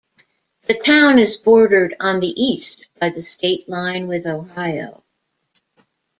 The town is bordered on the east by the state line with Ohio.